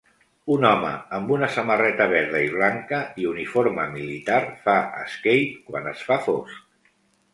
Un home amb una samarreta verda i blanca i uniforme militar fa skate quan es fa fosc